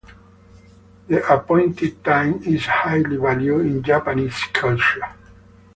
The appointed time is highly valued in Japanese culture.